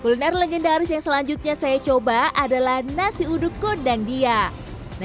kuliner legendaris yang selanjutnya saya coba adalah nasi uduk gondang dia nah